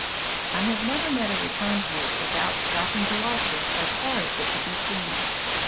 I have never met a return horse without stopping to watch it as far as it could be seen.